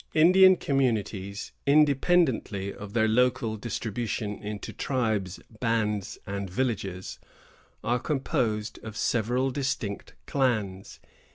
Indian communities, independently of their local distribution into tribes, bands, and villages, are composed of several distinct clans.